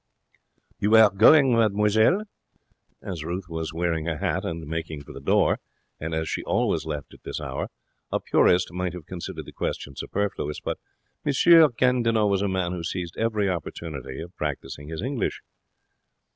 'You are going, mademoiselle?' As Ruth was wearing her hat and making for the door, and as she always left at this hour, a purist might have considered the question superfluous; but M. Gandinot was a man who seized every opportunity of practising his English.